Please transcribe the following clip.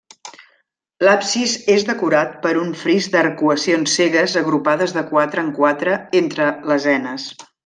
L'absis és decorat per un fris d'arcuacions cegues agrupades de quatre en quatre entre lesenes.